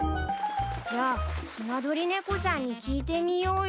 じゃあスナドリネコさんに聞いてみようよ。